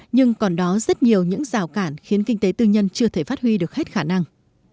nhưng còn đó rất nhiều những rào cản khiến kinh tế tư nhân chưa thể phát huy được hết khả năng